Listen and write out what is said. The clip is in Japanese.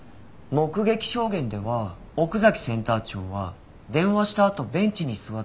目撃証言では奥崎センター長は電話したあとベンチに座って燃えたんですよね？